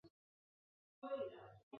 其位于上水石湖墟分店继续营业。